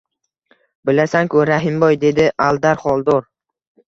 – Bilasan-ku, Rahimboy, – dedi Aldar Xoldor